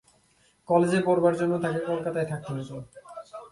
কলেজে পড়বার জন্যে তাঁকে কলকাতায় থাকতে হত।